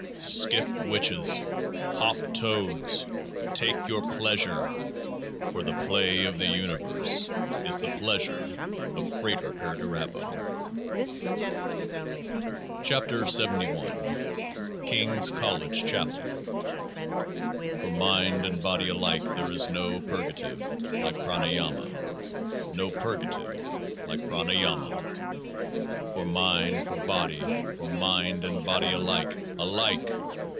Skip, witches ! Hop, toads ! Take your plea sure !— for the play of the Universe is the pleasure of FRATER PERDURABO. 87 KEOAAH OA KING'S COLLEGE CHAPEL For mind and body alike there is no purgative like Pranayama, no purgative like Prana yama. For mind, for body, for mind and body alike — alike